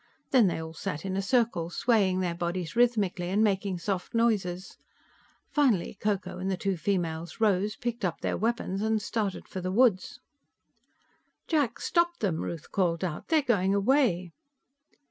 Then they all sat in a circle, swaying their bodies rhythmically and making soft noises. Finally Ko Ko and the two females rose, picked up their weapons and started for the woods. "Jack, stop them," Ruth called out. "They're going away."